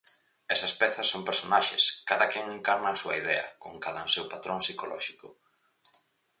Esas pezas son personaxes, cada quen encarna a súa idea, con cadanseu patrón psicolóxico.